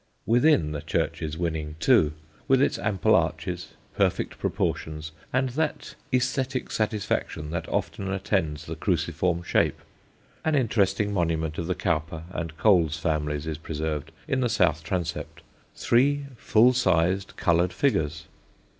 Within, the church is winning, too, with its ample arches, perfect proportions, and that æsthetic satisfaction that often attends the cruciform shape. An interesting monument of the Cowper and Coles families is preserved in the south transept three full size coloured figures.